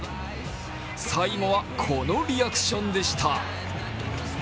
最後はこのリアクションでした。